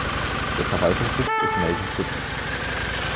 Der Verwaltungssitz ist Mason City.